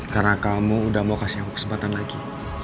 karena kamu udah mau kasih aku kesempatan lagi